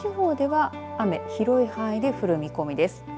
特に東海地方では雨広い範囲で降る見込みです。